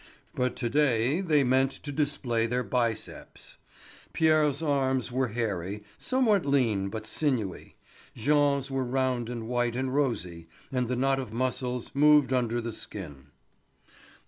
But to day they meant to display their biceps. Pierre's arms were hairy, somewhat lean but sinewy; Jean's were round and white and rosy, and the knot of muscles moved under the skin.